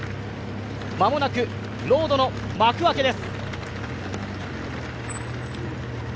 間もなくロードの幕開けです。